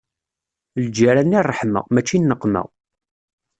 Lǧiran i ṛṛeḥma, mačči i nneqma.